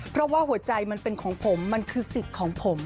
เพราะว่าหัวใจมันเป็นของผมมันคือสิทธิ์ของผม